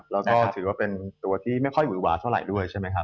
แล้วก็ถือว่าเป็นตัวที่ไม่ค่อยหวือหวาเท่าไหร่ด้วยใช่ไหมครับ